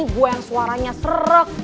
gue yang suaranya serek